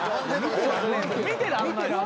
見てらんない。